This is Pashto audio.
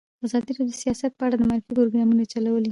ازادي راډیو د سیاست په اړه د معارفې پروګرامونه چلولي.